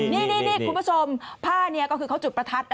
นี่คุณผู้ชมผ้านี้ก็คือเขาจุดประทัด